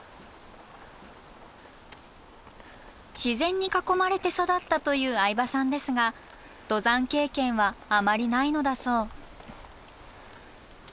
自然に囲まれて育ったという相場さんですが登山経験はあまりないのだそう。